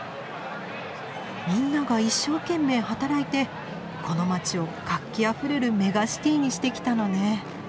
みんなが一生懸命働いてこの街を活気あふれるメガシティにしてきたのね。